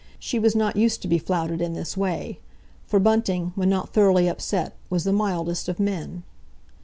She was not used to be flouted in this way. For Bunting, when not thoroughly upset, was the mildest of men.